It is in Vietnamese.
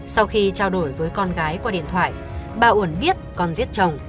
sau khi trao đổi với con gái qua điện thoại bà uẩn biết con giết chồng